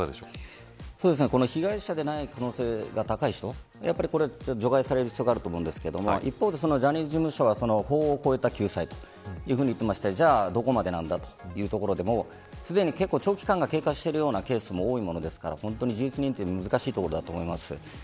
被害者じゃない可能性が高い人は除外される必要があると思うんですけどジャニーズ事務所は法を越えた救済と言っていますがそれが、どこまでなのかというところですでに長期間が経過しているケースも多いですから事実認定の難しいところだと思います。